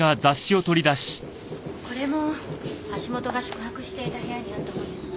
これも橋本が宿泊していた部屋にあったものですが。